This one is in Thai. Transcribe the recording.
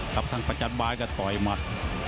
ครับทางประจันบานก็ต่อยมัด